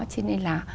cho nên là